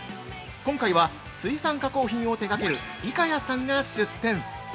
今回は、水産加工品を手がける「いかや」さんが出店。